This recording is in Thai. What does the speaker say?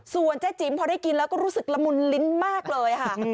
ส่วนเจ๊จิ๋มพอได้กินแล้วก็รู้สึกละมุนลิ้นมากเลยค่ะ